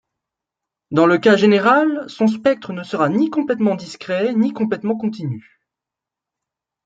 Dans le cas général, son spectre ne sera ni complètement discret ni complètement continu.